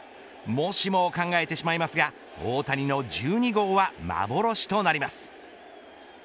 もしもを考えてしまいますが大谷の１２号は幻となります。